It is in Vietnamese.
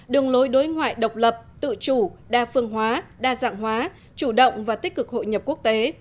đường lối đối ngoại độc lập tự chủ đa phương hóa đa dạng hóa chủ động và tích cực hội nhập quốc tế